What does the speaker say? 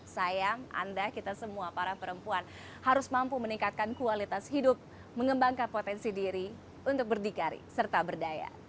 sayang anda kita semua para perempuan harus mampu meningkatkan kualitas hidup mengembangkan potensi diri untuk berdikari serta berdaya